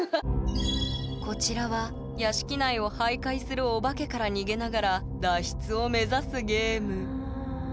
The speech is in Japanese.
こちらは屋敷内を徘徊するお化けから逃げながら脱出を目指すゲーム。